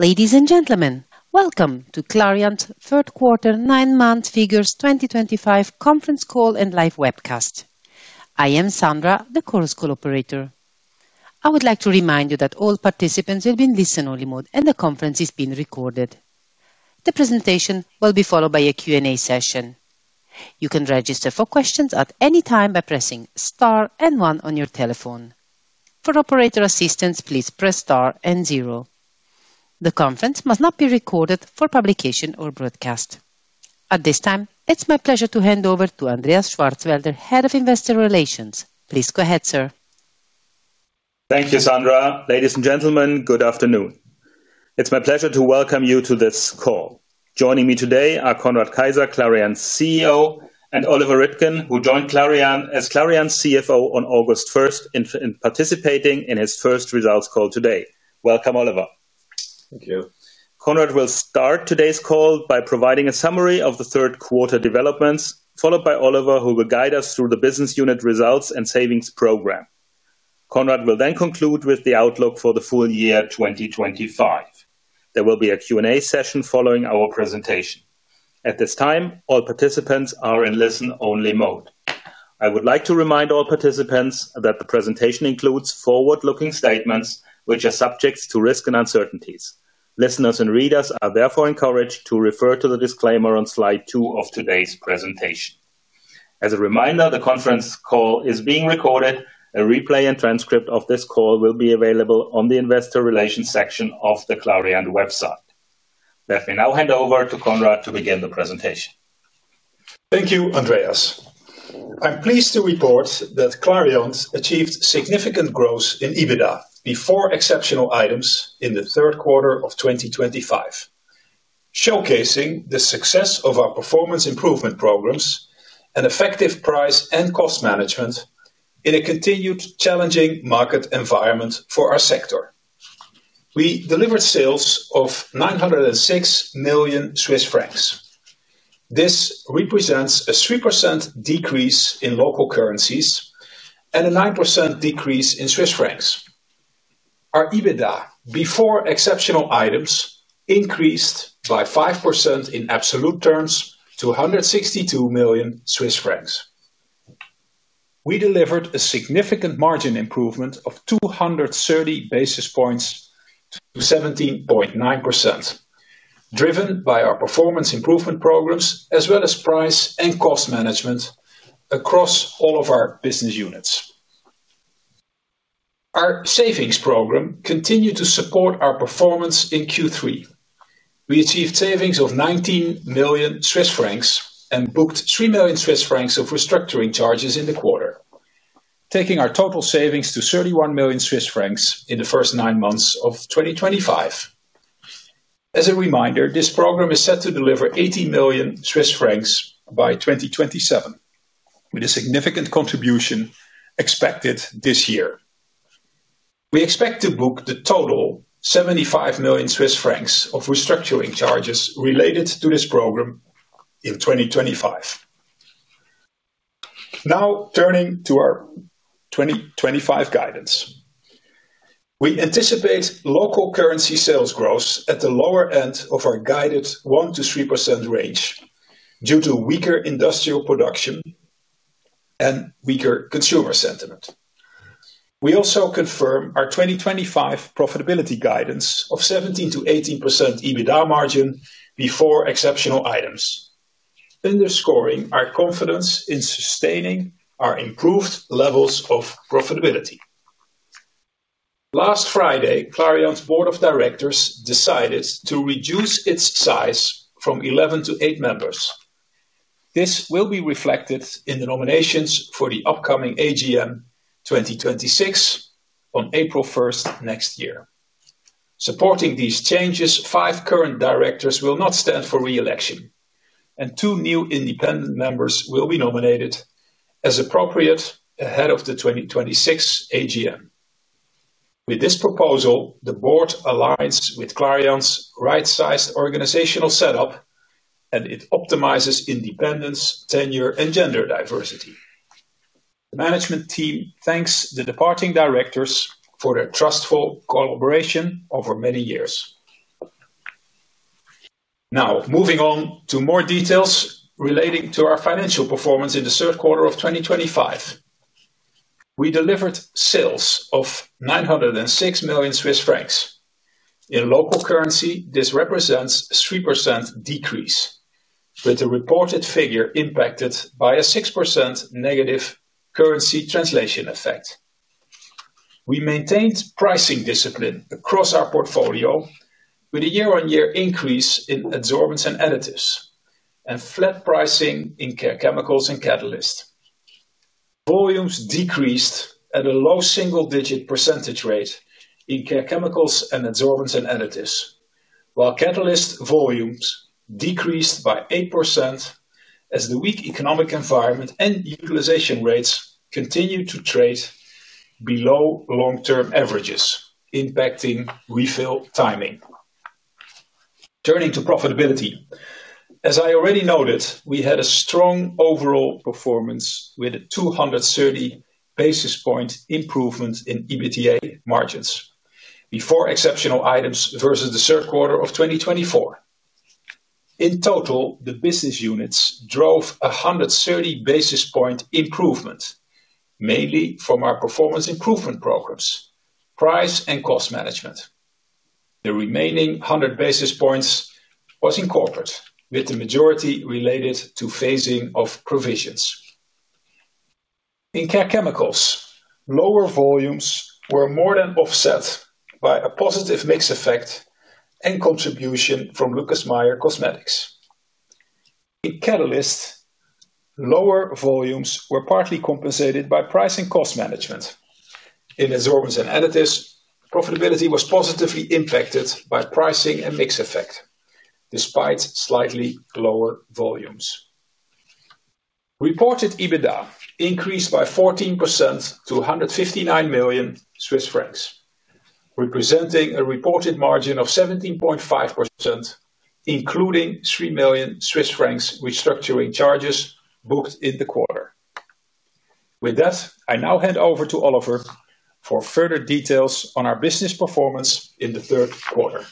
Ladies and gentlemen, welcome to Clariant Third Quarter Nine Month Figures 2025 Conference Call and Live Webcast. I am Sandra, the call operator. I would like to remind you that all participants will be in listen-only mode and the conference is being recorded. The presentation will be followed by a Q&A session. You can register for questions at any time by pressing star and one on your telephone. For operator assistance, please press star and zero. The conference must not be recorded for publication or broadcast. At this time, It's my pleasure to hand over to Andreas Schwarzwälder, Head of Investor Relations. Please go ahead, sir. Thank you, Sandra. Ladies and gentlemen, good afternoon. It's my pleasure to welcome you to this call. Joining me today are Conrad Keijzer, Clariant's CEO, and Oliver Rittgen, who joined Clariant as Clariant's CFO on August 1st, and is participating in his first results call today. Welcome, Oliver. Thank you. Conrad will start today's call by providing a summary of the third quarter developments, followed by Oliver, who will guide us through the business unit results and savings program. Conrad will then conclude with the outlook for the full year 2025. There will be a Q&A session following our presentation. At this time, all participants are in listen-only mode. I would like to remind all participants that the presentation includes forward-looking statements, which are subject to risks and uncertainties. Listeners and readers are therefore encouraged to refer to the disclaimer on slide 2 of today's presentation. As a reminder, the conference call is being recorded. A replay and transcript of this call will be available on the investor relations section of the Clariant website. Let me now hand over to Conrad to begin the presentation. Thank you, Andreas. I'm pleased to report that Clariant achieved significant growth in EBITDA before exceptional items in the third quarter of 2025, showcasing the success of our performance improvement programs and effective price, and cost management in a continued challenging market environment for our sector. We delivered sales of 906 million Swiss francs. This represents a 3% decrease in local currencies, and a 9% decrease in Swiss francs. Our EBITDA before exceptional items increased by 5% in absolute terms to 162 million Swiss francs. We delivered a significant margin improvement of 230 basis points to 17.9%, driven by our performance improvement programs as well as price and cost management across all of our business units. Our savings program continued to support our performace in Q3. We achieved savings of 19 million Swiss francs and booked 3 million Swiss francs of restructuring charges in the quarter, taking our total savings to 31 million Swiss francs in the first nine months of 2025. As a reminder, this program is set to deliver 18 million Swiss francs by 2027, with a significant contribution expected this year. We expect to book the total 75 million Swiss francs of restructuring charges related to this program in 2025. Now turning to our 2025 guidance, we anticipate local currency sales growth at the lower end of our guided 1%-3% range, due to weaker industrial production and weaker consumer sentiment. We also confirm our 2025 profitability guidance of 17%-18% EBITDA margin before exceptional items, underscoring our confidence in sustaining our improved levels of profitability. Last Friday, Clariant's Board of Directors decided to reduce its size from 11 to eight members. This will be reflected in the nominations for the upcoming AGM 2026 on April 1st next year. Supporting these changes, five current directors will not stand for re-election and two new independent members will be nominated as appropriate ahead of the 2026 AGM. With this proposal, the board aligns with Clariant's rights organizational setup, and it optimizes independence, tenure, and gender diversity. The management team thanks the departing directors for their trustful collaboration over many years. Now moving on to more details relating to our financial performance. In the third quarter of 2025, we delivered sales of 906 million Swiss francs in local currency. This represents a 3% decrease, with the reported figure impacted by a 6% negative currency translation effect. We maintained pricing discipline across our portfolio with a year-on-year increase in adsorbents and additives, and flat pricing in care chemicals and catalysts. Volumes decreased at a low single-digit percentage rate in care chemicals, and adsorbents and additives, while catalyst volumes decreased by 8% as the weak economic environment and utilization rates continued to trade below long-term averages, impacting refill timing. Turning to profitability, as I already noted, we had a strong overall performance, with a 230 basis point improvement in EBITDA margins before exceptional items versus the third quarter of 2024. In total, the business units drove a 130 basis point improvement, mainly from our performance improvement programs, price, and cost management. The remaining 100 basis points was in corporate, with the majority related to phasing of provisions. In care chemicals, lower volumes were more than offset by a positive mix effect and contribution from Lucas Meyer Cosmetics. In catalysts, lower volumes were partly compensated by pricing and cost management. In adsorbents and additives, profitability was positively impacted by pricing and mix effect despite slightly lower volumes. Reported EBITDA increased by 14% to 159 million Swiss francs, representing a reported margin of 17.5%, including 3 million Swiss francs restructuring charges booked in the quarter. With that, I now hand over to Oliver for further details on our business performance in the third quarter.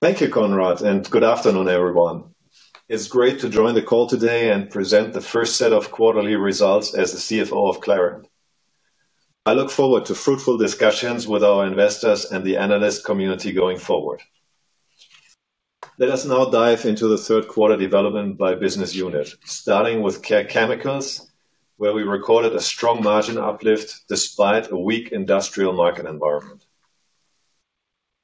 Thank you, Conrad. Good afternoon, everyone. It's great to join the call today, and present the first set of quarterly results as the CFO of Clariant. I look forward to fruitful discussions with our investors and the analyst community going forward. Let us now dive into the third quarter development by business unit, starting with care chemicals, where we recorded a strong margin uplift despite a weak industrial market environment.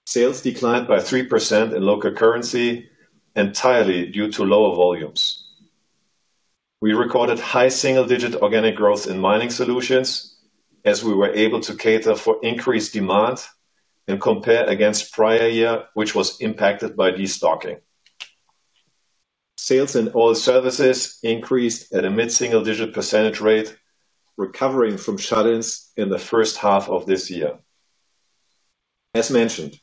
Sales declined by 3% in local currency, entirely due to lower volumes. We recorded high single-digit organic growth in mining solutions, as we were able to cater for increased demand and compare against prior year, which was impacted by destocking. Sales in oil services increased at a mid-single-digit percentage rate, recovering from shut-ins in the first half of this year. As mentioned,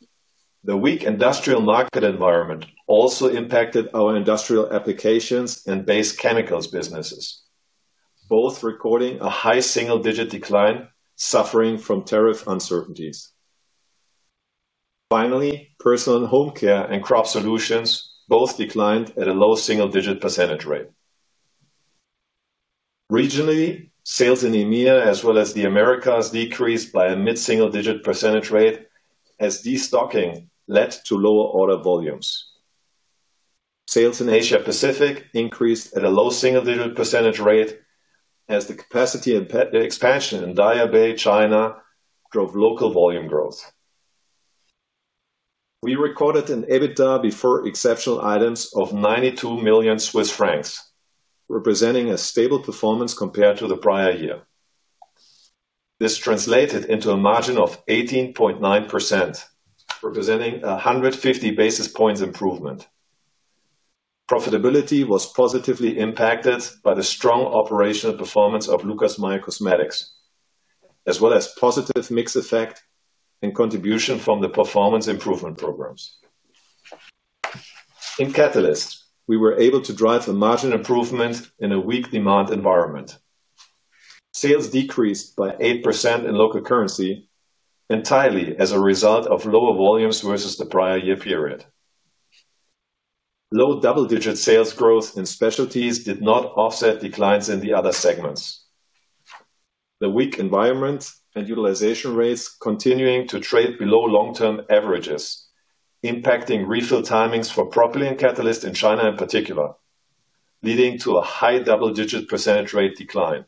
the weak industrial market environment also impacted our industrial applications and base chemicals businesses, both recording a high single-digit decline, suffering from tariff uncertainties. Finally, personal home care and crop solutions both declined at a low single-digit percentage rate. Regionally, sales in EMEA as well as the Americas decreased by a mid single-digit percentage rate, as destocking led to lower order volumes. Sales in Asia Pacific increased at a low single-digit percentage rate as the capacity expansion in Daya Bay, China drove local volume growth. We recorded an EBITDA before exceptional items of 92 million Swiss francs, representing a stable performance compared to the prior year. This translated into a margin of 18.9%, representing a 150 basis points improvement. Profitability was positively impacted by the strong operational performance of Lucas Meyer Cosmetics, as well as positive mix effect and contribution from the performance improvement programs. In catalysts, we were able to drive a margin improvement in a weak demand environment. Sales decreased by 8% in local currency, entirely as a result of lower volumes versus the prior year period. Low double-digit sales growth in specialties did not offset declines in the other segments. The weak environments and utilization rates continuing to trade below long-term averages impacted refill timings for propylene catalysts in China in particular, leading to a high double-digit percentage rate decline.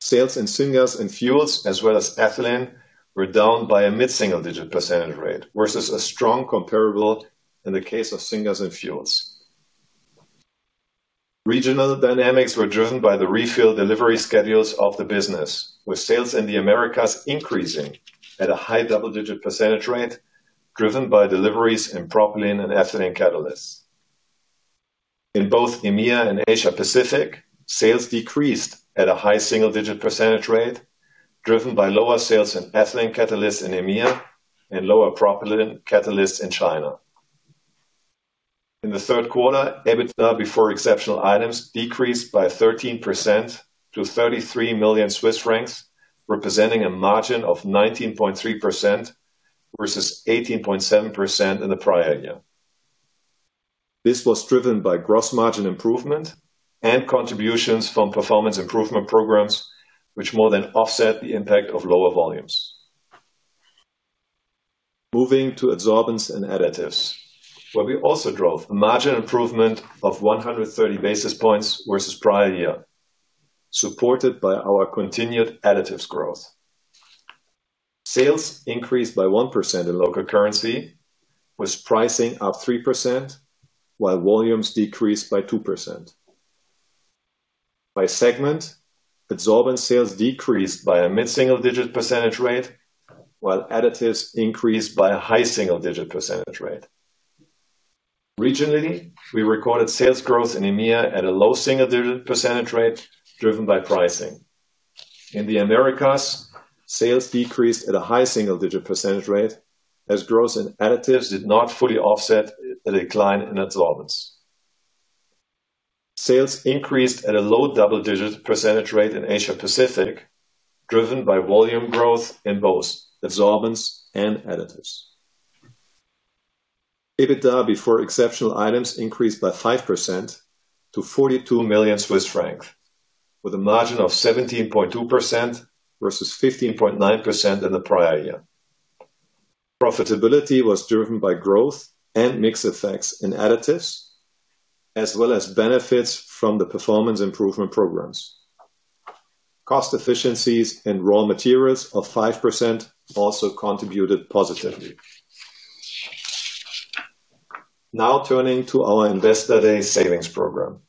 Sales in syngas and fuels, as well as ethylene were down by a mid single-digit percentage rate, versus a strong comparable in the case of syngas and fuels. Regional dynamics were driven by the refill delivery schedules of the business, with sales in the Americas increasing at a high double-digit percentage rate, driven by deliveries in propylene and ethylene catalysts. In both EMEA and Asia Pacific, sales decreased at a high single-digit percentage rate, driven by lower sales in ethylene catalysts in EMEA and lower propylene catalysts in China. In the third quarter, EBITDA before exceptional items decreased by 13% to 33 million Swiss francs, representing a margin of 19.3% versus 18.7% in the prior year. This was driven by gross margin improvement and contributions from performance improvement programs, which more than offset the impact of lower volumes. Moving to adsorbents and additives, where we also drove margin improvement of 130 basis points versus prior year, supported by our continued additives growth. Sales increased by 1% in local currency, with pricing up 3%, while volumes decreased by 2%. By segment, adsorbents sales decreased by a mid single-digit percentage rate, while additives increased by a high single-digit percentage rate. Regionally, we recorded sales growth in EMEA at a low single-digit percentage rate, driven by pricing. In the Americas, sales decreased at a high single-digit percentage rate, as growth in additives did not fully offset a decline in adsorbents. Sales increased at a low double-digit percentage rate in Asia Pacific, driven by volume growth in both adsorbents and additives. EBITDA before exceptional items increased by 5% to 42 million Swiss francs, with a margin of 17.2% versus 15.9% in the prior year. Profitability was driven by growth and mix effects in additives, as well as benefits from the performance improvement programs. Cost efficiencies in raw materials of 5% also contributed positively. Now turning to our Investor Day savings program.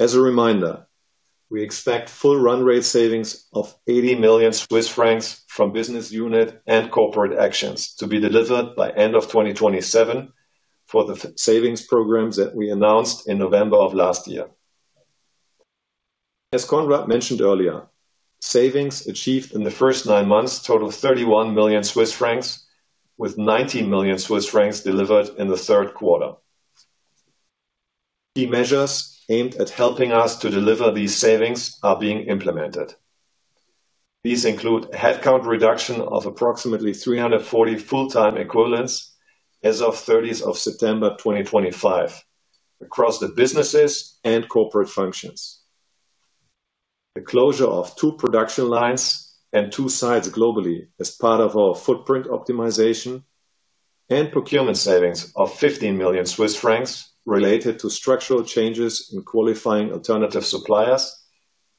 As a reminder, we expect full run rate savings of 80 million Swiss francs from business unit and corporate actions to be delivered by end of 2027, for the savings programs that we announced in November of last year. As Conrad mentioned earlier, savings achieved in the first nine months total 31 million Swiss francs, with 19 million Swiss francs delivered in the third quarter. Key measures aimed at helping us to deliver these savings are being implemented. These include headcount reduction of approximately 340 full-time equivalents as of 30th of September 2025, across the businesses and corporate functions, the closure of two production lines and two sites globally as part of our footprint optimization, and procurement savings of 15 million Swiss francs related to structural changes in qualifying alternative suppliers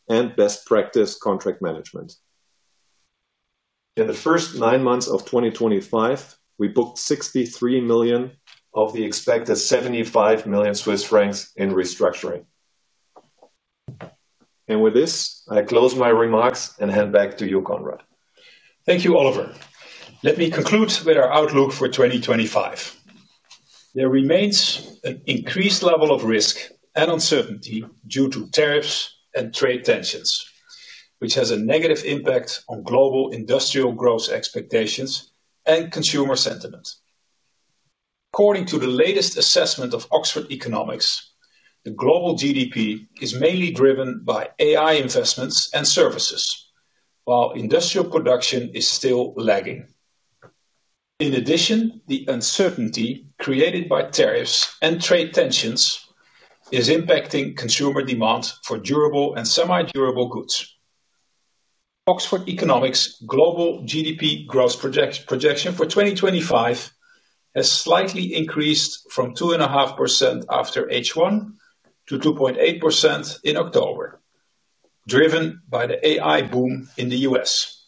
and best practice contract management. In the first nine months of 2025, we booked 63 million of the expected 75 million Swiss francs in restructuring. With this, I close my remarks and hand back to you, Conrad. Thank you, Oliver. Let me conclude with our outlook for 2025. There remains an increased level of risk and uncertainty due to tariffs and trade tensions, which has a negative impact on global industrial growth expectations and consumer sentiment. According to the latest assessment of Oxford Economics, the global GDP is mainly driven by AI investments and services, while industrial production is still lagging. In addition, the uncertainty created by tariffs and trade tensions is impacting consumer demand for durable and semi-durable goods. Oxford Economics global GDP growth projection for 2025 has slightly increased from 2.5% after H1 to 2.8% in October, driven by the AI boom in the U.S.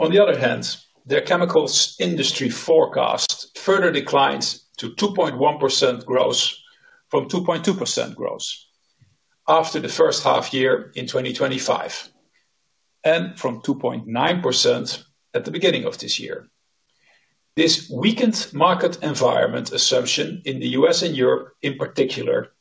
On the other hand, their chemicals industry forecast further declined to 2.1% growth from 2.2% growth after the first half year in 2025, and from 2.9% at the beginning of this year. This weakened market environment assumption in the U.S. and Europe in particular,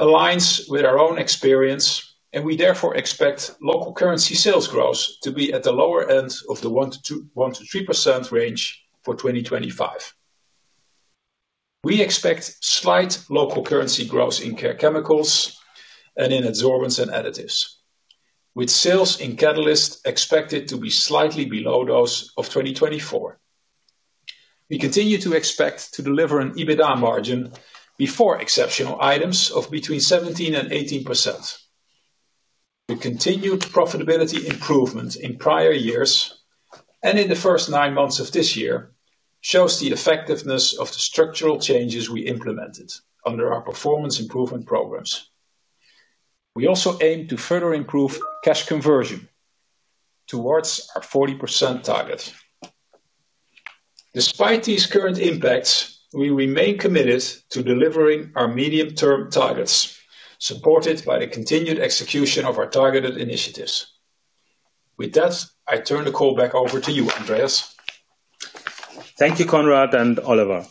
aligns with our own experience and we therefore expect local currency sales growth to be at the lower end of the 1%-3% range for 2025. We expect slight local currency growth in care chemicals and in adsorbents and additives, with sales in catalysts expected to be slightly below those of 2024. We continue to expect to deliver an EBITDA margin before exceptional items of between 17% and 18%. The continued profitability improvement in prior years and in the first nine months of this year, shows the effectiveness of the structural changes we implemented under our performance improvement programs. We also aim to further improve cash conversion towards our 40% target. Despite these current impacts, we remain committed to delivering our medium-term targets, supported by the continued execution of our targeted initiatives. With that, I turn the call back over to you, Andreas. Thank you, Conrad and Oliver.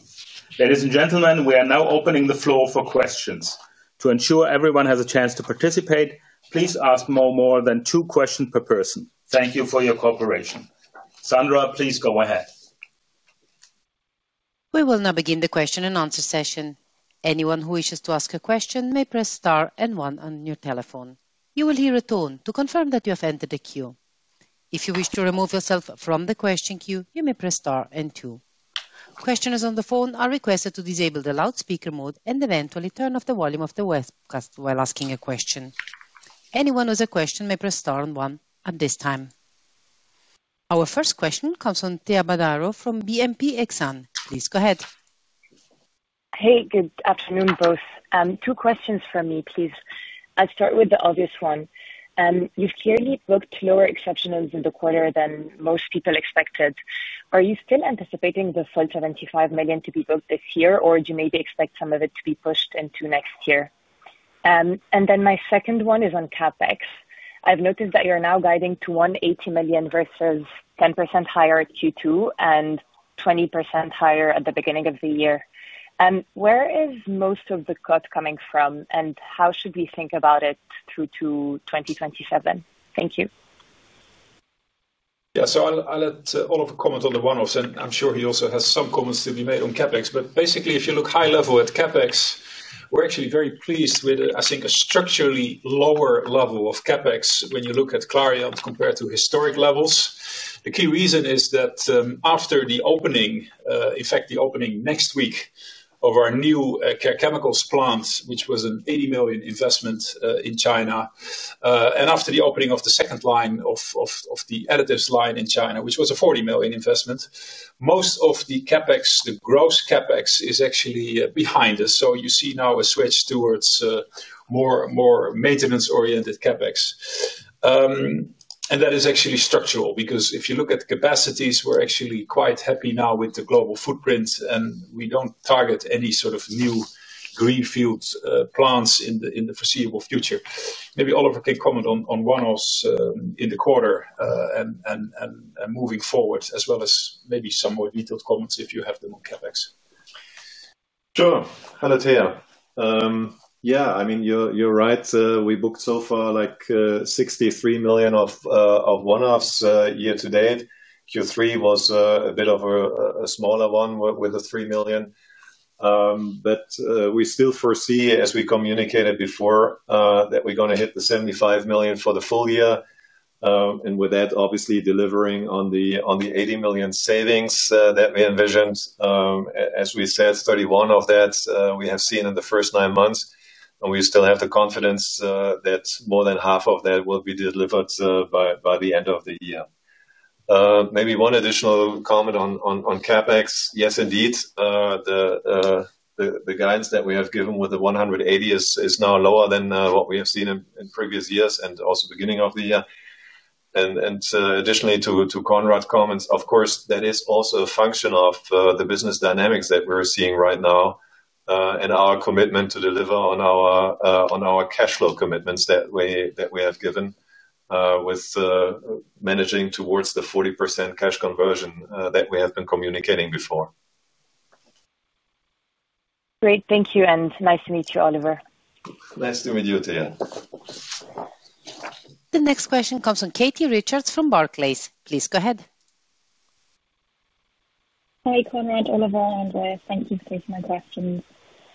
Ladies and gentlemen, we are now opening the floor for questions. To ensure everyone has a chance to participate, please ask no more than two questions per person. Thank you for your cooperation. Sandra, please go ahead. We will now begin the question-and-answer session. Anyone who wishes to ask a question may press star and one on your telephone. You will hear a tone to confirm that you have entered the queue. If you wish to remove yourself from the question queue, you may press star and two. Questioners on the phone are requested to disable the loudspeaker mode, and eventually turn off the volume of the webcast while asking a question. Anyone who has a question may press star and one at this time. Our first question comes from Thea Badaro from BNP Exane. Please go ahead. Hey. Good afternoon, both. Two questions for me, please. I'll start with the obvious one, you've clearly booked lower exceptional items in the quarter than most people expected. Are you still anticipating the full 75 million to be booked this year, or do you maybe expect some of it to be pushed into next year? My second one is on CapEx. I've noticed that you're now guiding to 180 million versus 10% higher in Q2, and 20% higher at the beginning of the year. Where is most of the cut coming from, and how should we think about it through to 2027? Thank you. Yeah, so I let Oliver comment on the one-offs, and I'm sure he also has some comments to be made on CapEx. Basically, if you look high level at CapEx, we're actually very pleased with, I think a structurally lower level of CapEx when you look at Clariant compared to historic levels. The key reason is that after the opening effect, the opening next week of our new chemicals plant, which was an $80 million investment in China and after the opening of the second line of the additives line in China, which was a $40 million investment, most of the gross CapEx is actually behind us. You see now a switch towards more maintenance-oriented CapEx. That is actually structural, because if you look at the capacities, we're actually quite happy now with the global footprint and we don't target any sort of new greenfield plants in the foreseeable future. Maybe Oliver can comment on one-offs in the quarter and moving forward, as well as maybe some more detailed comments if you have them on CapEx. Sure. Hello to you. Yeah, I mean, you're right, we booked so far like 63 million of one-offs year-to-date. Q3 was a bit of a smaller one with 3 million, but we still foresee, as we communicated before, that we're going to hit the 75 million for the full year and with that, obviously delivering on the 80 million savings that we envisioned. As we said, 31 million of that we have seen in the first nine months, and we still have the confidence that more than half of that will be delivered by the end of the year. Maybe one additional comment on CapEx. Yes, indeed the guidance that we have given with the 180 million is now lower than what we have seen in previous years, and also beginning of the year. Additionally, to Conrad's comments, of course that is also a function of the business dynamics that we're seeing right now, and our commitment to deliver on our cash flow commitments that we have given with managing towards the 40% cash conversion that we have been communicating before. Great, thank you, and nice to meet you, Oliver. Nice to meet you, Thea. The next question comes from Katie Richards from Barclays. Please go ahead. Hi Conrad, Oliver and Andreas, Thank you for taking my questions.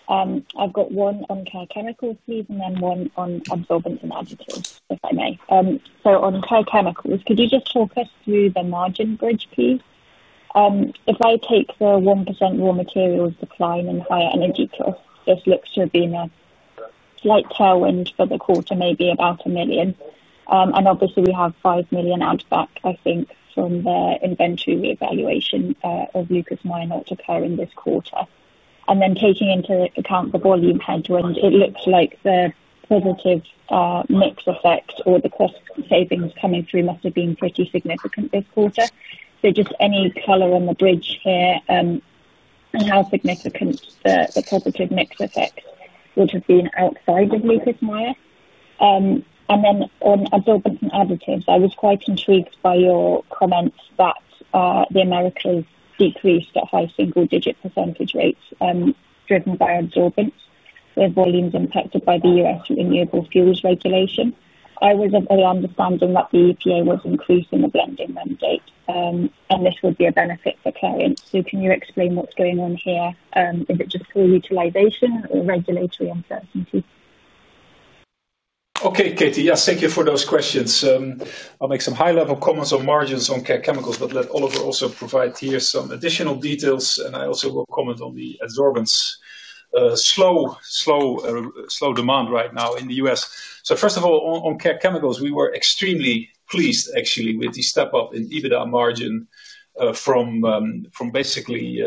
I've got one on care chemicals please, and then one on adsorbents and additives, if I may. On care chemicals, could you just talk us through the margin bridge piece? If I take the 1% raw materials decline and higher energy costs, this looks to have been a slight tailwind for the quarter, maybe about 1 million. Obviously we have 5 million outback, I think from the inventory revaluation of Lucas Meyer occurring this quarter. Taking into account the volume headwind, it looks like the positive mix effect or the cost savings coming through must have been pretty significant this quarter. Just any color on the bridge here, and how significant the positive mix effect would have been outside of Lucas Meyer? On adsorbents and additives, I was quite intrigued by your comments that the Americas decreased at high single-digit percentage rates, driven by adsorbents, with volumes impacted by the U.S. Renewable Fuels regulation. I was of the understanding that the EPA was increasing the blending, and this would be a benefit for Clariant. Can you explain what's going on here? Is it just full utilization or regulatory uncertainty? Okay, Katie. Yes, thank you for those questions. I'll make some high-level comments on margins on chemicals, but let Oliver also provide here some additional details. I also will comment on the adsorbents slow demand right now in the U.S. First of all, on chemicals, we were extremely pleased actually with the step up in EBITDA margin, from basically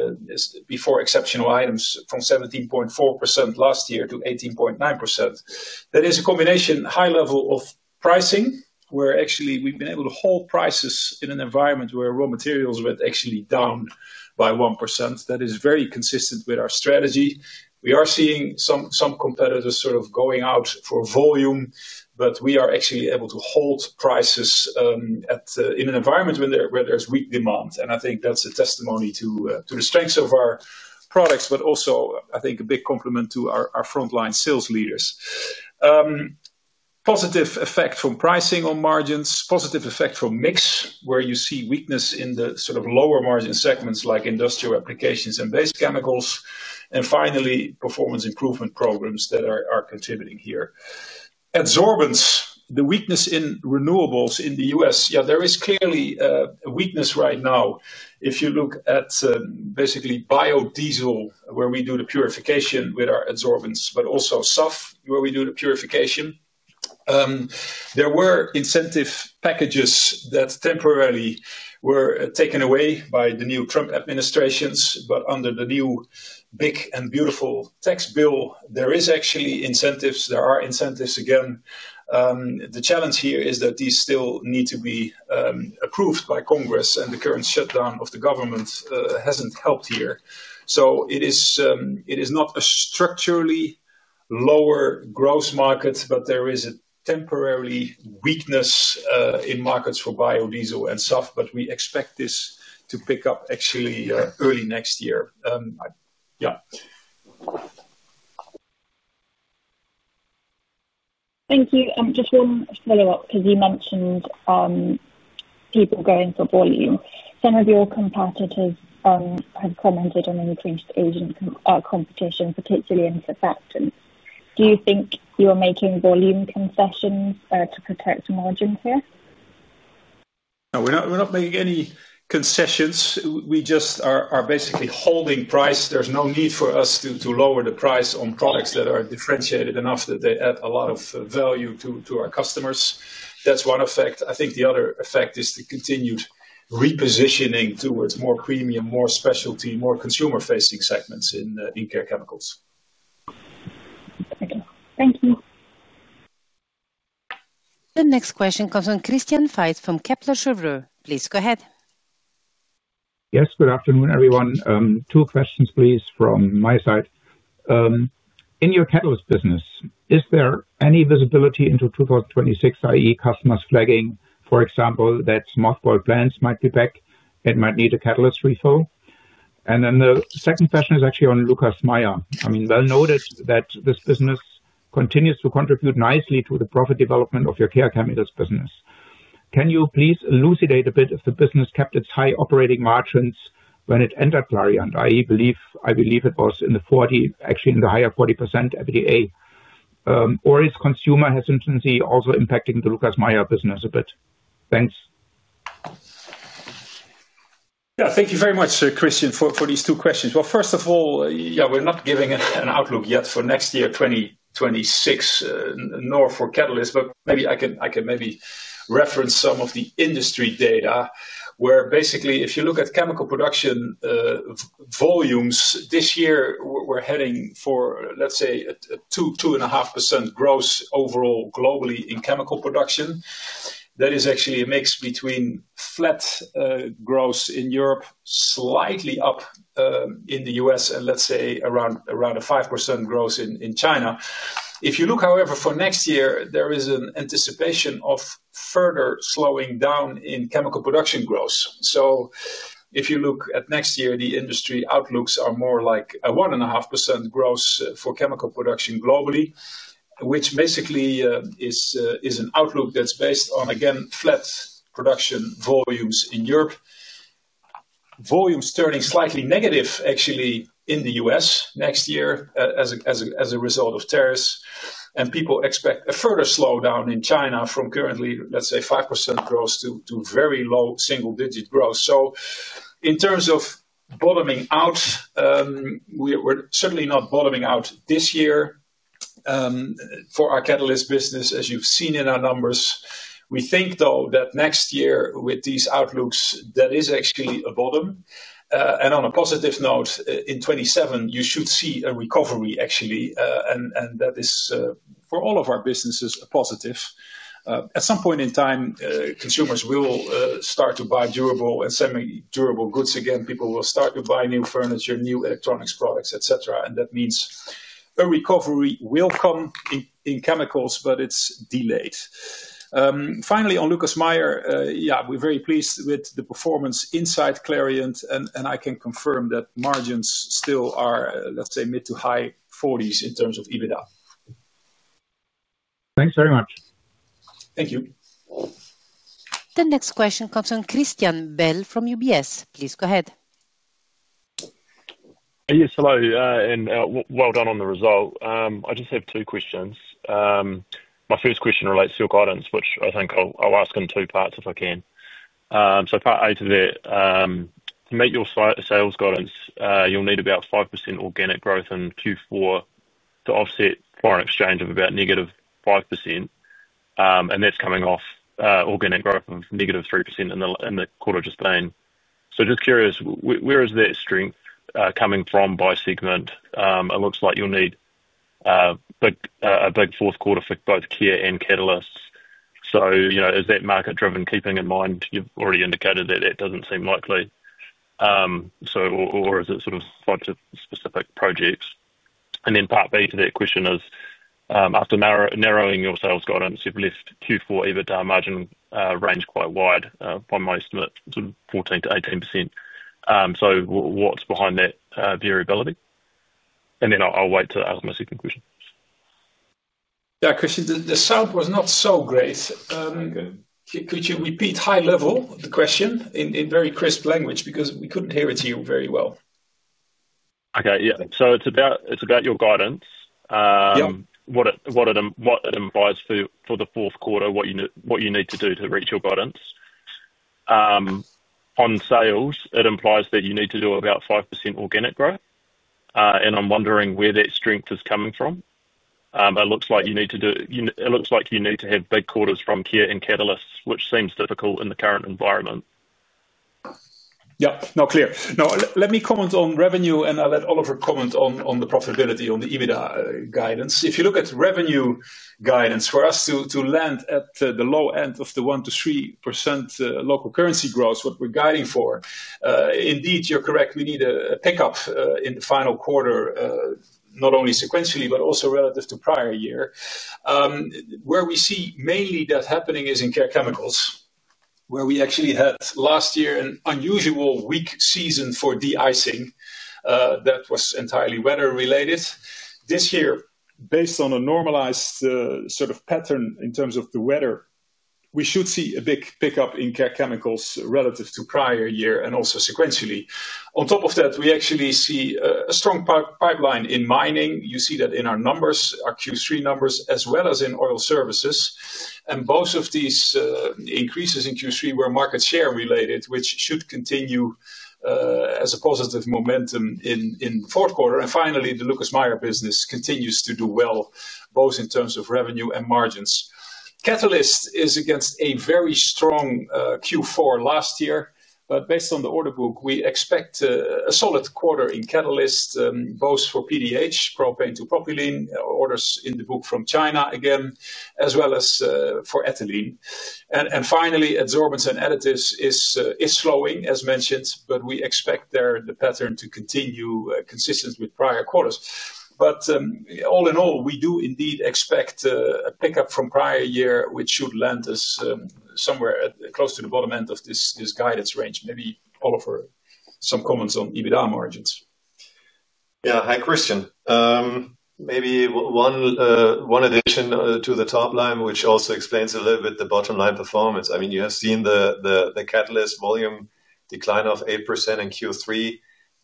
before exceptional items from 17.4% last year to 18.9%. That is a combination of a high level of pricing, where actually we've been able to hold prices in an environment where raw materials went actually down by 1%. That is very consistent with our strategy. We are seeing some competitors sort of going out for volume, but we are actually able to hold prices in an environment where there's weak demand. I think that's a testimony to the strengths of our products, but also I think a big compliment to our frontline sales leaders. Positive effect from pricing on margins. Positive effect from mix, where you see weakness in the sort of lower margin segments like industrial applications and base chemicals, and finally performance improvement programs that are contributing here. Adsorbents, the weakness in renewables in the U.S., yeah, there is clearly a weakness right now if you look at basically biodiesel where we do the purification with our adsorbents. Also, SAF, where we do the purification, there were incentive packages that temporarily were taken away by the new Trump administration. Under the new big and beautiful tax bill, there are actually incentives again. The challenge here is that these still need to be approved by Congress, and the current shutdown of the government hasn't helped here. It is not a structurally lower gross market, but there is a temporary weakness in markets for biodiesel and SAF. We expect this to pick up actually early next year. Thank you. Just one follow-up because you mentioned people going for volume. Some of your competitors have commented on increased agent competition, particularly in. Do you think you are making volume concessions to protect margins here? No, we're not making any concessions. We just are basically holding price. There's no need for us to lower the price on products that are differentiated enough that they add a lot of value to our customers. That's one effect. I think the other effect is the continued repositioning towards more premium, more specialty, more consumer-facing segments in care chemicals. Thank you. The next question comes from Christian Faitz from Kepler [Capital]. Please go ahead. Yes. Good afternoon, everyone. Two questions, please from my side. In your catalysts business, is there any visibility into 2026, i.e., customers flagging, for example, that mothballed plants might be back and might need a catalyst refill? The second question is actually on Lucas Meyer. I noticed that this business continues to contribute nicely to the profit development of your care chemicals business. Can you please elucidate a bit if the business kept its high operating margins when it entered Clariant? I believe it was actually in the higher 40% EBITDA, or is consumer hesitancy also impacting the Lucas Meyer business a bit? Thanks. Yeah. Thank you very much, Christian for these two questions. First of all, we're not giving an outlook yet for next year 2026 nor for catalysts, but maybe I can reference some of the industry data, where basically if you look at chemical production volumes this year, we're heading for, let's say, a 2.5% growth overall globally in chemical production. That is actually a mix between flat growth in Europe, slightly up in the U.S., and let's say around a 5% growth in China. If you look however, for next year, there is an anticipation of further slowing down in chemical production growth. If you look at next year, the industry outlooks are more like a 1.5% growth for chemical production globally, which basically is an outlook that's based on again flat production volumes in Europe, volumes turning slightly negative actually in the U.S. next year as a result of tariffs. People expect a further slowdown in China from currently, let's say % growth to very low single-digit growth. In terms of bottoming out, we're certainly not bottoming out this year for our catalysts business as you've seen in our numbers. We think though that next year with these outlooks, that is actually a bottom. On a positive note, in 2027, you should see a recovery actually. This is for all of our businesses, a positive. At some point in time, consumers will start to buy durable and semi-durable goods again. People will start to buy new furniture, new electronics products, et cetera. That means a recovery will come in chemicals, but it's delayed. Finally, on Lucas Meyer, we're very pleased with the performance inside Clariant and I can confirm that margins still are, let's say mid to high 40s in terms of EBITDA. Thanks very much. Thank you. The next question comes from Christian Bell from UBS. Please go ahead. Yes. Hello, and well done on the result. I just have two questions. My first question relates to your guidance, which I think I'll ask in two parts, if I can. Part A to that, to meet your sales guidance, you'll need about 5% organic growth in Q4 to offset foreign exchange of about -5% and that's coming off organic growth of -3% in the quarter [just been]. I'm just curious, where is that strength coming from by segment? It looks like you'll need a big fourth quarter for both care and catalysts. Is that market-driven? Keeping in mind you've already indicated that that doesn't seem likely, is it sort of specific projects? Part B to that question is, after narrowing your sales guidance, you've left Q4 EBITDA margin range quite wide by my estimate, sort of 14%-18%. What's behind that variability? I'll wait to ask my second question. Yeah, Christian. The sound was not so great. Could you repeat high level the question in very crisp language because we couldn't hear it very well? Okay, yeah. It's about your guidance, what it implies for the fourth quarter, what you need to do to reach your guidance. On sales, it implies that you need to do about 5% organic growth. I'm wondering where that strength is coming from. It looks like you need to have big quarters from care chemicals and catalysts, which seems difficult in the current environment. Yeah, not clear. Now, let me comment on revenue, and I'll let Oliver comment on the profitability on the EBITDA guidance. If you look at revenue guidance, for us to land at the low end of the 1%-3% local currency growth, what we're guiding for, indeed, you're correct, we need a pickup in the final quarter, not only sequentially, but also relative to prior year. Where we see mainly that happening is in care chemicals, where we actually had last year an unusually weak season for de-icing, that was entirely weather-related. This year, based on a normalized sort of pattern in terms of the weather, we should see a big pickup in care chemicals relative to prior year and also sequentially. On top of that, we actually see a strong pipeline in mining. You see that in our numbers, our Q3 numbers as well as in oil services. Both of these increases in Q3 were market share related, which should continue as a positive momentum in fourth quarter. Finally, the Lucas Meyer business continues to do well both in terms of revenue and margins. Catalysts is against a very strong Q4 last year. Based on the order book, we expect a solid quarter in catalysts both for PDH propane to propylene orders in the book from China again, as well as for ethylene. Finally, adsorbents and additives is slowing as mentioned, but we expect the pattern to continue consistent with prior quarters. All in all, we do indeed expect a pickup from prior year, which should land us somewhere close to the bottom end of this guidance range. Maybe Oliver, some comments on EBITDA margins. Yeah. Hi, Christian. Maybe one addition to the top line, which also explains a little bit the bottom line performance, you have seen the catalyst volume decline of 8% in Q3.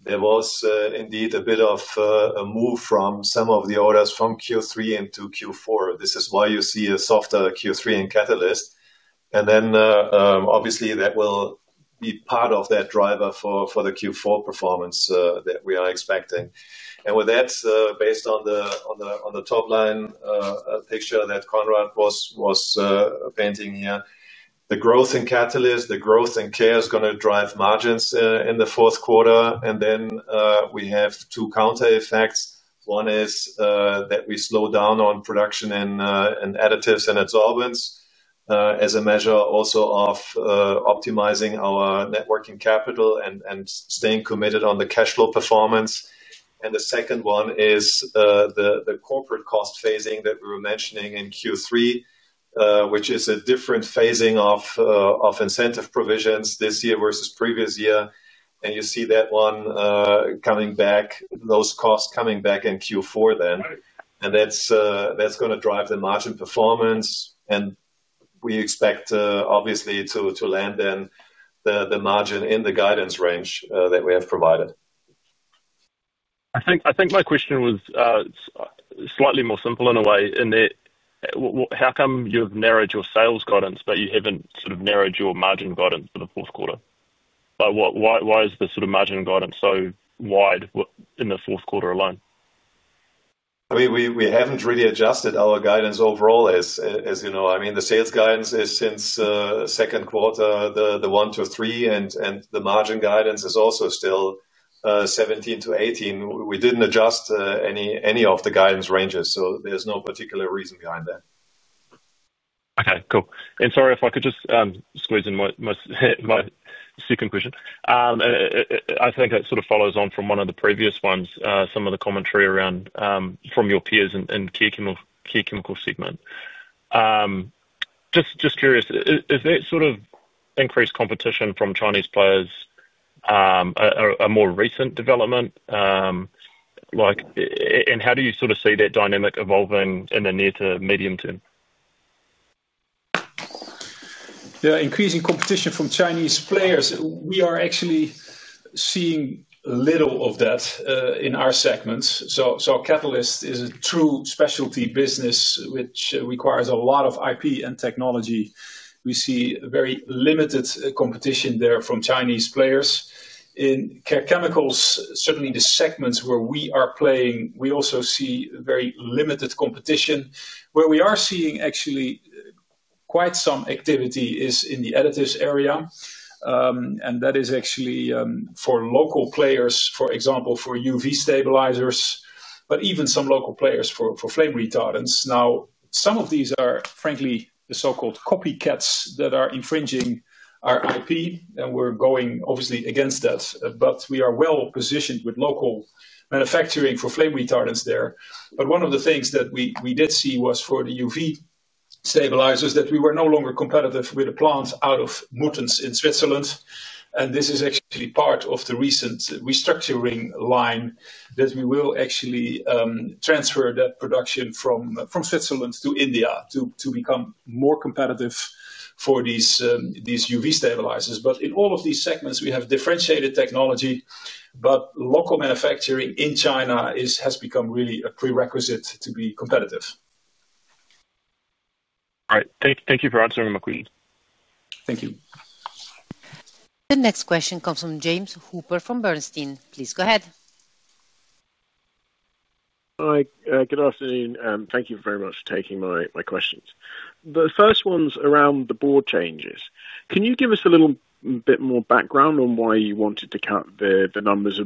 There was indeed a bit of a move from some of the orders from Q3 into Q4. This is why you see a softer Q3 in catalysts. Obviously, that will be part of that driver for the Q4 performance that we are expecting. With that, based on the top-line picture that Conrad was painting here, the growth in catalysts and the growth in care chemicals is going to drive margins in the fourth quarter. We have two counter effects. One is that we slow down on production in additives and adsorbents, as a measure also of optimizing our net working capital and staying committed on the cash flow performance. The second one is the corporate cost phasing that we were mentioning in Q3, which is a different phasing of incentive provisions this year versus previous year. You see those costs coming back in Q4 then. That's going to drive the margin performance. We expect obviously to land in the margin in the guidance range that we have provided. I think my question was slightly more simple in a way, in that how come you have narrowed your sales guidance but you haven't sort of narrowed your margin guidance for the fourth quarter? Why is the sort of margin guidance so wide in the fourth quarter alone? We haven't really adjusted our guidance overall, as you know. The sales guidance is since second-quarter, the 1%-3% and the margin guidance is also still 17%-18%. We didn't adjust any of the guidance ranges. There's no particular reason behind that. Okay, cool. Sorry, if I could just squeeze in my second question. I think that sort of follows on from one of the previous ones. Some of the commentary from your peers in key chemical segment, just curious, is that sort of increased competition from Chinese players a more recent development, and how do you sort of see that dynamic evolving in the near to medium term? Yeah. Increasing competition from Chinese players, we are actually seeing little of that in our segments. Catalysts is a true specialty business which requires a lot of IP and technology. We see very limited competition there from Chinese players. In chemicals, certainly the segments where we are playing, we also see very limited competition. Where we are seeing actually quite some activity is in the additives area. That is actually for local players, for example, for UV stabilizers, but even some local players for flame retardants. Now, some of these are frankly the so-called copycats that are infringing our IP, and we're going obviously against that. We are well-positioned with local manufacturing for flame retardants there. One of the things that we did see was for the UV stabilizers, that we were no longer competitive with the plants out of Muttenz in Switzerland. This is actually part of the recent restructuring line, that we will actually transfer that production from Switzerland to India, to become more competitive for these UV stabilizers. In all of these segments, we have differentiated technology, but local manufacturing in China has become really a prerequisite to be competitive. All right, thank you for answering my question. Thank you. The next question comes from James Hooper from Bernstein. Please go ahead. Hi, good afternoon. Thank you very much for taking my questions. The first one's around the board changes. Can you give us a little bit more background on why you wanted to cut the numbers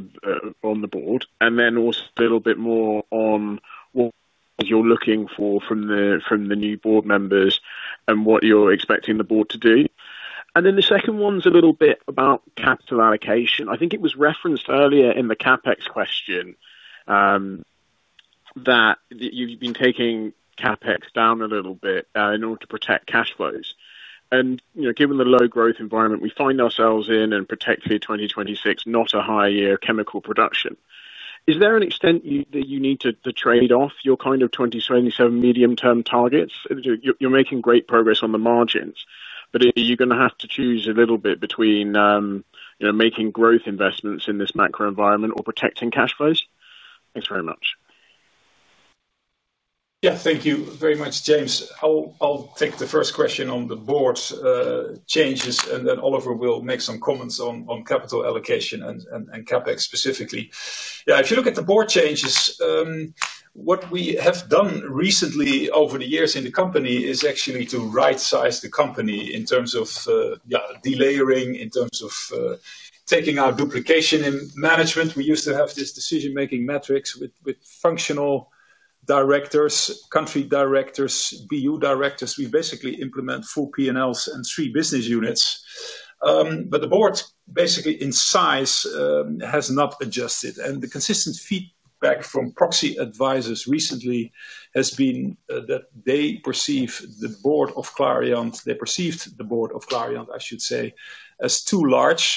on the board? Also, a little bit more on what you're looking for from the new board members, and what you're expecting the board to do. The second one's a little bit about capital allocation. I think it was referenced earlier in the CapEx question that you've been taking CapEx down a little bit in order to protect cash flows. Given the low growth environment we find ourselves in, and particularly 2026, not a high year for chemical production. Is there an extent that you need to trade off your kind of 2027 medium-term targets? You're making great progress on the margins, but are you going to have to choose a little bit between making growth investments in this macro environment or protecting cash flows? Thanks very much. Yeah. Thank you very much, James. I'll take the first question on the board changes, and then Oliver will make some comments on capital allocation and CapEx specifically. If you look at the board changes, what we have done recently over the years in the company is actually to right-size the company in terms of delayering, in terms of taking out duplication. In management, we used to have this decision making matrix with functional directors, country directors, BU directors. We basically implement four P&Ls and three business units. The board basically in size has not adjusted. The consistent feedback from proxy advisors recently has been that they perceive the board of Clariant, I should say, as too large.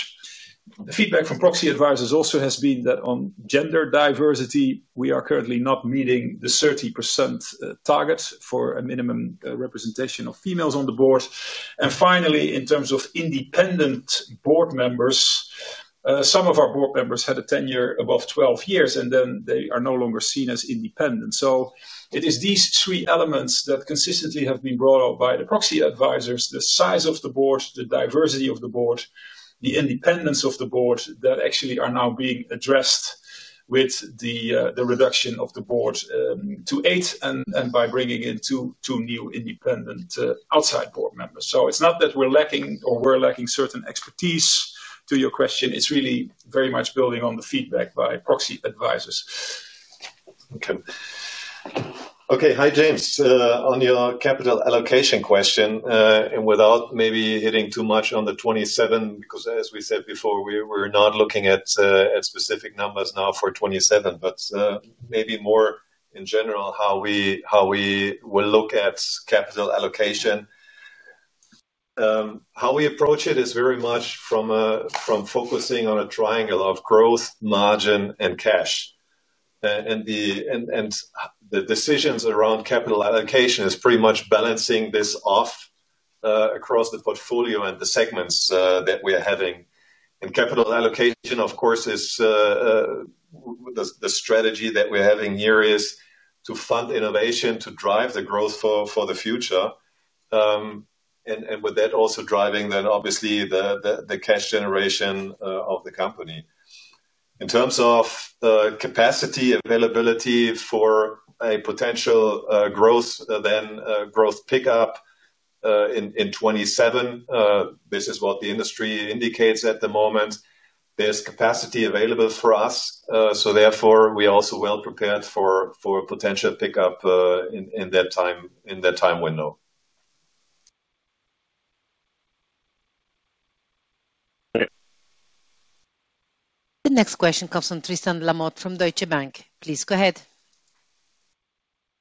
Feedback from proxy advisors also has been that on gender diversity, we are currently not meeting the 30% target for a minimum representation of females on the board. Finally, in terms of independent board members, some of our board members had a tenure above 12 year, and then they are no longer seen as independent. It is these three elements that consistently have been brought up by the proxy advisors, the size of the board, the diversity of the board, the independence of the board, that actually are now being addressed, with the reduction of the board to eight and by bringing in two new independent outside board members. It's not that we're lacking certain expertise to your question, it's really very much building on the feedback by proxy advisors. Okay. Hi, James. On your capital allocation question, and without maybe hitting too much on the 2027, because as we said before, we were not looking at specific numbers now for 2027, but maybe more in general, how we will look at capital allocation, how we approach it is very much from focusing on a triangle of growth, margin, and cash. The decisions around capital allocation are pretty much balancing this off across the portfolio and the segments that we are having. Capital allocation of course is the strategy that we're having here, is to fund innovation to drive the growth for the future and with that, also driving then obviously the cash generation of the company. In terms of capacity availability for a potential growth pickup in 2027, this is what the industry indicates at the moment. There's capacity available for us, so we are also well prepared for a potential pickup in that time window. The next question comes from Tristan Lamotte from Deutsche Bank. Please go ahead.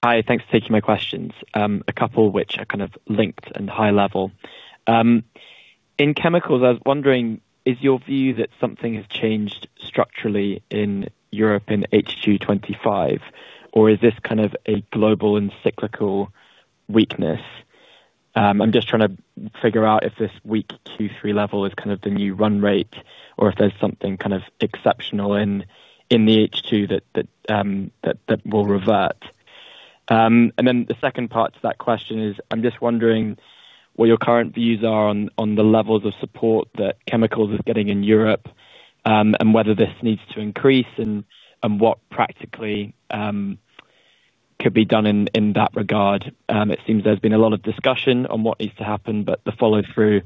Hi, thanks for taking my questions, a couple which are kind of linked and high level. In chemicals, I was wondering, is your view that something has changed structurally in Europe in H2 2025 or is this kind of a global and cyclical weakness? I'm just trying to figure out if this weak Q3 level is kind of the new run rate, or if there's something kind of exceptional in the H2 that will revert. The second part to that question is, I'm just wondering what your current views are on the levels of support that chemicals is getting in Europe and whether this needs to increase, and what practically could be done in that regard. It seems there's been a lot of discussion on what needs to happen, but the follow-through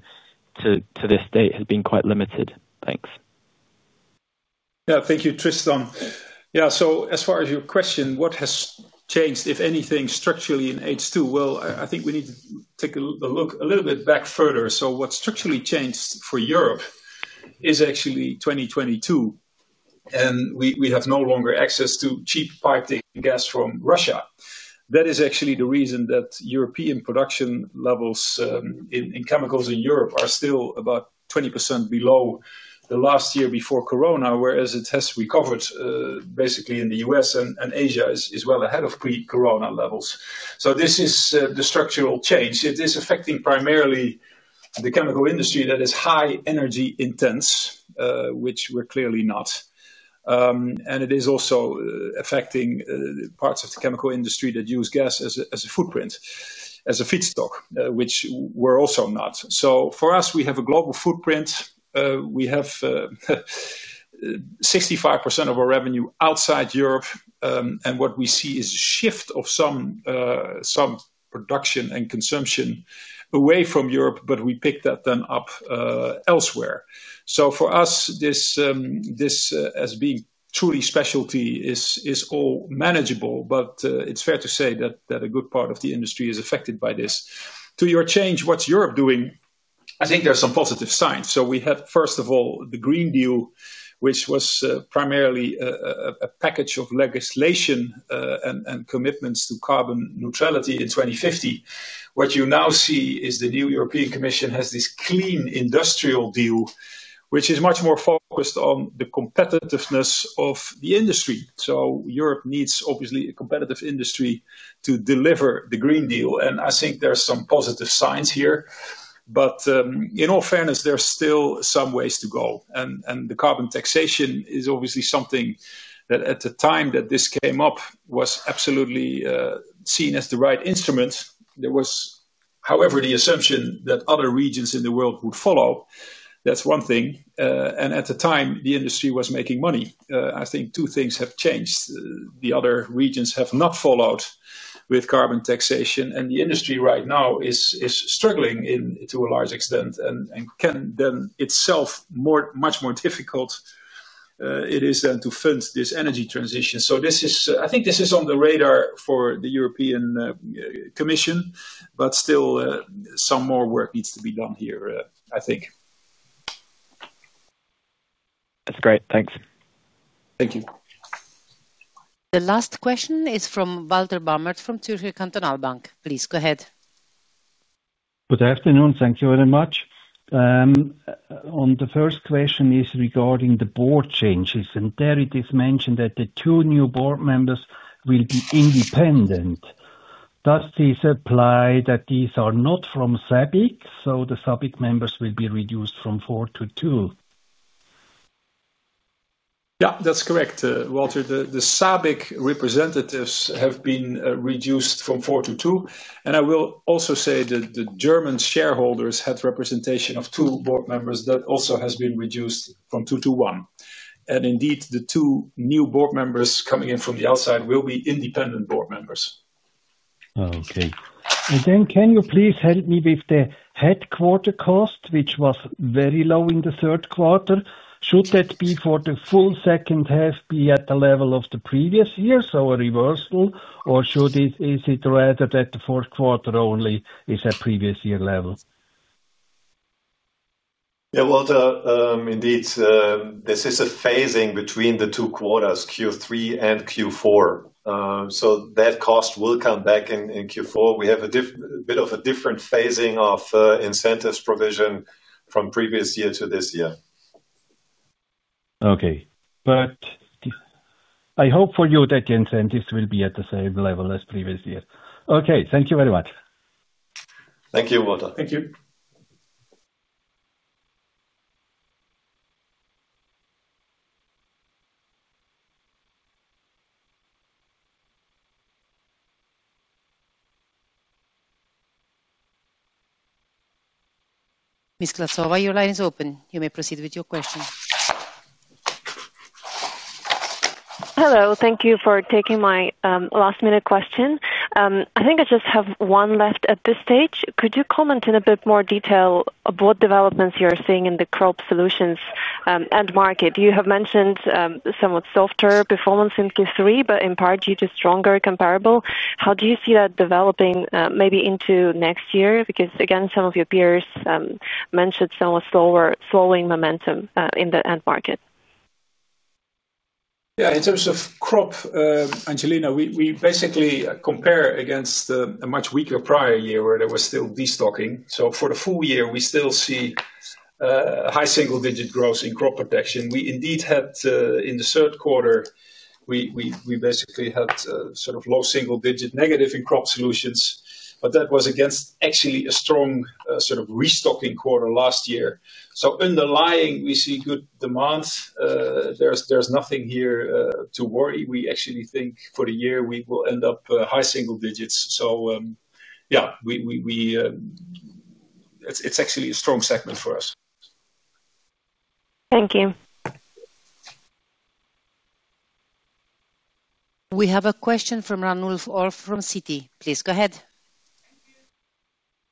to this date has been quite limited. Thanks. Thank you, Tristan. As far as your question, what has changed, if anything structurally in H2? I think we need to take a look a little bit back further. What structurally changed for Europe is actually 2022, and we have no longer access to cheap piping gas from Russia. That is actually the reason that European production levels in chemicals in Europe are still about 20% below the last year before corona, whereas it has recovered basically in the U.S. and Asia, it's well ahead of pre-corona levels. This is the structural change. It is affecting primarily the chemical industry that is high energy intense, which we're clearly not. It is also affecting parts of the chemical industry that use gas as a footprint, as a feedstock, which we're also not. For us, we have a global footprint. We have 65% of our revenue outside Europe. What we see is a shift of some production and consumption away from Europe, but we pick that then up elsewhere. For us, this as being truly specialty is all manageable. It's fair to say that a good part of the industry is affected by this. To your change, what's Europe doing? I think there are some positive signs. We have first of all the Green Deal, which was primarily a package of legislation and commitments to carbon neutrality in 2050. What you now see is the new European Commission has this Clean Industrial Deal, which is much more focused on the competitiveness of the industry. Europe needs obviously a competitive industry to deliver the Green Deal. I think there are some positive signs here. In all fairness, there's still some ways to go. The carbon taxation is obviously something that at the time that this came up, was absolutely seen as the right instrument. There was however, the assumption that other regions in the world would follow. That's one thing. At the time, the industry was making money. I think two things have changed. The other regions have not followed with carbon taxation, and the industry right now is struggling to a large extent and can then itself much more difficult it is to fund this energy transition. I think this is on the radar for the European Commission. Still, some more work needs to be done here I think. That's great. Thanks. Thank you. The last question is from Walter Bamert from Zürcher Kantonalbank. Please go ahead. Good afternoon. Thank you very much. The first question is regarding the board changes. There it is mentioned that the two new board members will be independent. Does this apply that these are not from SABIC, so the SABIC members will be reduced from four to two? Yeah. That's correct, Walter. The SABIC representatives have been reduced from four to two. I will also say that the German shareholders had representation of two board members, that also has been reduced from two to one. Indeed, the two new board members coming in from the outside will be independent board members. Okay, then can you please help me with the headquarter cost which was very low in the third quarter? Should that be for the full second half be at the level of the previous year, so a reversal or is it rather that the fourth quarter only is at the previous year level? Yeah. Walter, indeed, this is a phasing between the two quarters, Q3 and Q4, so that cost will come back in Q4. We have a bit of a different phasing of incentives provision from previous year to this year. Okay. I hope for you that the incentives will be at the same level as previous year. Okay, thank you very much. Thank you, Walter. Thank you. [Ms. Klaatsova], your line is open. You may proceed with your question. Hello, thank you for taking my last minute question. I think I just have one left at this stage. Could you comment in a bit more detail, what developments you are seeing in the crop solutions end market? You have mentioned somewhat softer performance in Q3, but in part due to stronger comparable. How do you see that developing maybe into next year? Again, some of your peers mentioned somewhat slowing momentum in the end market. Yeah. In terms of crop, Angelina, we basically compare against a much weaker prior year where there was still destocking. For the full year, we still see high single-digit growth in crop protection. In the third quarter, we basically had sort of low single-digit negative in crop solutions. That was against actually a strong sort of restocking quarter last year. Underlying, we see good demand. There's nothing here to worry. We actually think for the year, we will end up high single digits. It's actually a strong segment for us. Thank you. We have a question from Ranulf Orr from Citi. Please go ahead.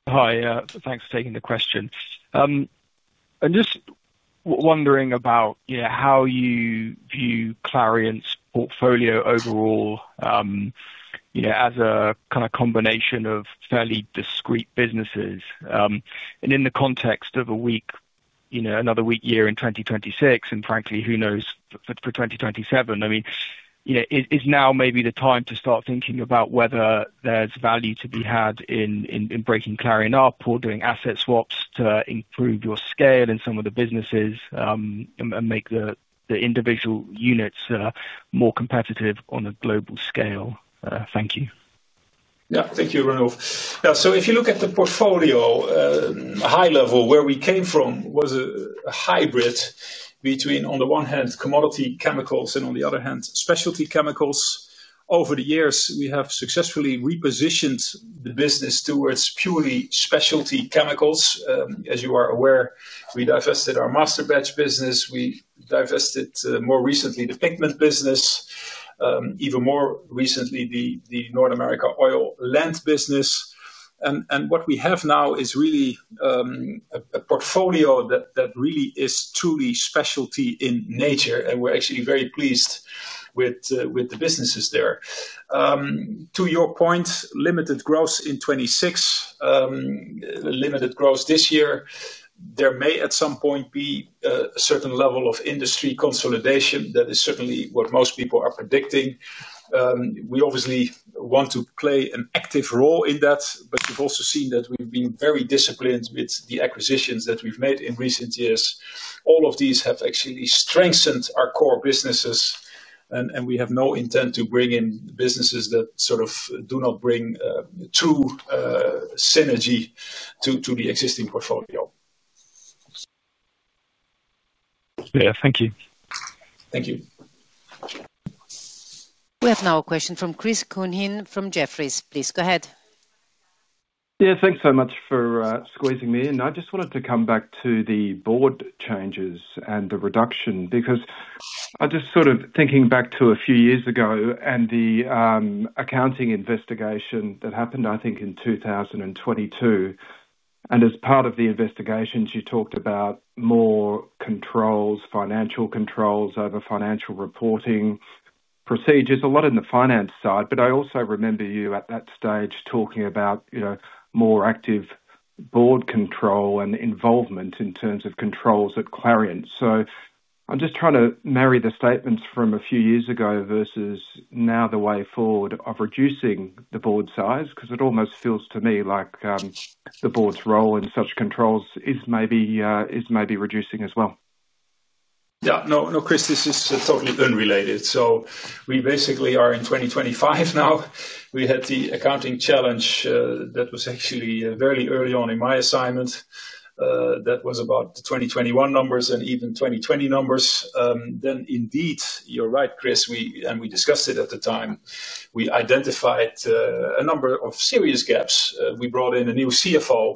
Hi, thanks for taking the question. I'm just wondering about how you view Clariant's portfolio overall as a kind of combination of fairly discrete businesses, and in the context of another weak year in 2026 and frankly, who knows? For 2027, I mean, is now maybe the time to start thinking about whether there's value to be had in breaking Clariant up or doing asset swaps to improve your scale in some of the businesses, and make the individual units more competitive on a global scale.? Thank you. Thank you, Ranulf. If you look at the portfolio high level, where we came from was a hybrid between, on the one hand commodity chemicals and on the other hand, specialty chemicals. Over the years, we have successfully repositioned the business towards purely specialty chemicals. As you are aware, we divested our master batch business. We divested more recently the pigment business, even more recently the North America oil lands business. What we have now is really a portfolio that really is truly specialty in nature. We're actually very pleased with the businesses there. To your point, limited growth in 2026, limited growth this year, there may at some point be a certain level of industry consolidation. That is certainly what most people are predicting. We obviously want to play an active role in that. We've also seen that we've been very disciplined with the acquisitions that we've made in recent years. All of these have actually strengthened our core businesses, and we have no intent to bring in businesses that do not bring true synergy to the existing portfolio. Yeah. Thank you. Thank you. We have now a question from Chris Counihan from Jefferies. Please go ahead. Yeah, thanks so much for squeezing me in. I just wanted to come back to the board changes and the reduction, because just sort of thinking back to a few years ago and the accounting investigation that happened I think in 2022. As part of the investigations, you talked about more controls, financial controls over financial reporting, procedures a lot in the finance side. I also remember you at that stage talking about more active board control and involvement in terms of controls at Clariant. I'm just trying to marry the statements from a few years ago versus now, the way forward of reducing the board size, because it almost feels to me like the board's role in such controls is maybe reducing as well. No, Chris. This is totally unrelated. We basically are in 2025 now. We had the accounting challenge. That was actually very early on in my assignment. That was about the 2021 numbers and even 2020 numbers. Indeed, you're right, Chris. We discussed it at the time. We identified a number of serious gaps. We brought in a new CFO.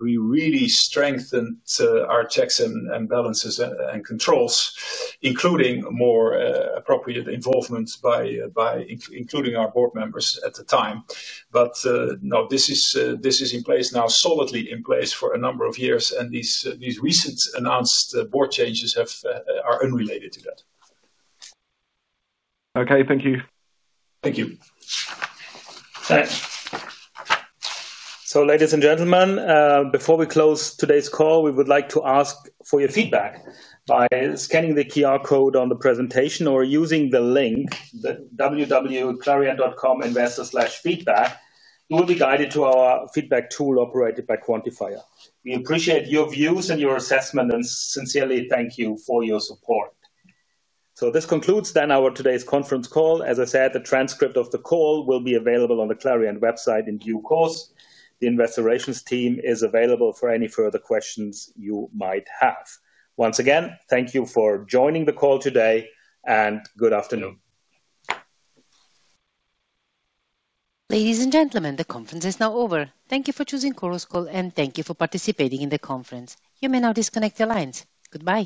We really strengthened our checks and balances and controls, including more appropriate involvement by including our board members at the time. This is in place now, solidly in place for a number of years. These recent announced board changes are unrelated to that. Okay, thank you. Thank you. Thanks. Ladies and gentlemen, before we close today's call, we would like to ask for your feedback by scanning the QR code on the presentation or using the link, www.clariant.com investor/feedback. You will be guided to our feedback tool operated by Quantifier. We appreciate your views and your assessment, and sincerely thank you for your support. This concludes our today's conference call. As I said, the transcript of the call will be available on the Clariant website in due course. The investor relations team is available for any further questions you might have. Once again, thank you for joining the call today and good afternoon. Ladies and gentlemen, the conference is now over. Thank you for choosing call, and thank you for participating in the conference. You may now disconnect your lines. Goodbye.